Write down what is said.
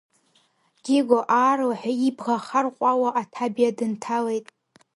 Гиго аарлаҳәа ибӷа харҟәало аҭабиа дынҭалеит.